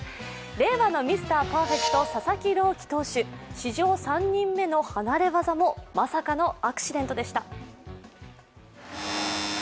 令和のミスターパーフェクト、佐々木朗希投手、史上３人目の離れ業もまさかのアクシデントでした。